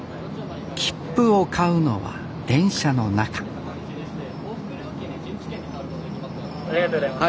切符を買うのは電車の中ありがとうございます。